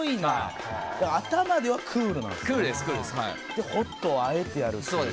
でホットをあえてやるっていう。